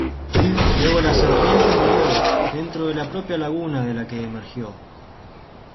Luego la serpiente murió dentro de la propia laguna de la que emergió.